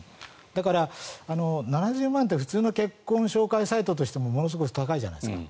だから、７０万って普通の結婚紹介サイトとしてもものすごく高いじゃないですか。